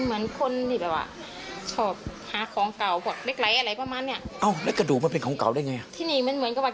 ไม่ใช่กระดูกโคตรเง่าเราด้วย